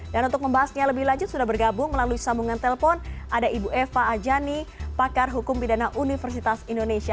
dan untuk membahasnya lebih lanjut sudah bergabung melalui sambungan telepon ada ibu eva ajani pakar hukum pidana universitas indonesia